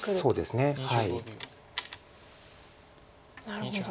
なるほど。